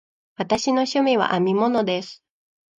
私の趣味は編み物です。